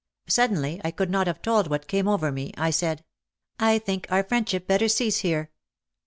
Suddenly I could not have told what came over me. I said: "I think our friendship better cease here.